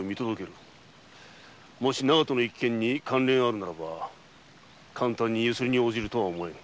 もし長門の一件に関連あるならば簡単にユスリに応じるとは思えぬ。